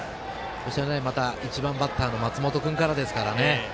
そして、１番バッターの松本君からですからね。